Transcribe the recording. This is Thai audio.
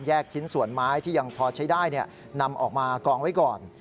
ชิ้นส่วนไม้ที่ยังพอใช้ได้นำออกมากองไว้ก่อน